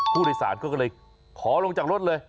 ผู้โดยสารก็เลยขอลงจากรถเลย